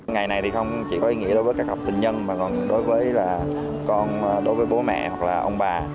ngày này thì không chỉ có ý nghĩa đối với các học tình nhân mà còn đối với con đối với bố mẹ hoặc là ông bà